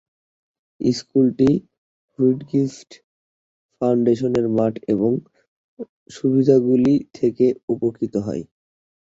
স্কুলটি হুইটগিফ্ট ফাউন্ডেশনের মাঠ এবং সুবিধাগুলি থেকে উপকৃত হয়।